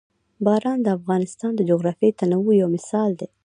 باران د افغانستان د جغرافیوي تنوع یو مثال دی.